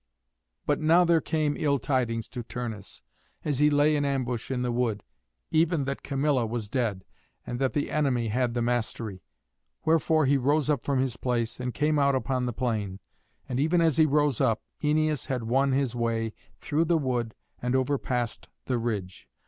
But now there came ill tidings to Turnus as he lay in ambush in the wood, even that Camilla was dead, and that the enemy had the mastery. Wherefore he rose up from his place, and came out upon the plain; and even as he rose up, Æneas had won his way through the wood and overpassed the ridge.